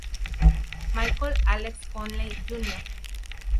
Michael Alex Conley, Jr.